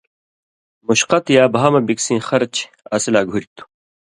مُشقَت یا بھا مہ بِکسیں خرچ اسی لا گُھریۡ تھُو